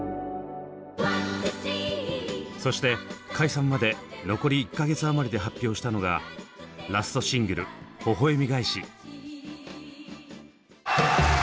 そして解散まで残り１か月余りで発表したのがラストシングル「微笑がえし」。